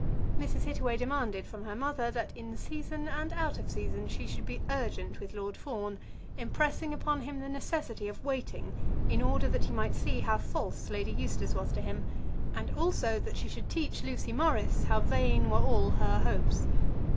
Mrs. Hittaway demanded from her mother that in season and out of season she should be urgent with Lord Fawn, impressing upon him the necessity of waiting, in order that he might see how false Lady Eustace was to him; and also that she should teach Lucy Morris how vain were all her hopes.